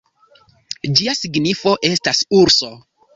Ĝia signifo estas "urso".